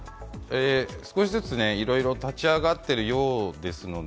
少しずついろいろ立ち上がっているようですので、